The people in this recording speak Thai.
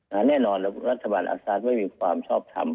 แน่นอนแล้วรัฐบาลอาซาสไม่มีความชอบทำ